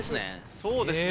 そうですね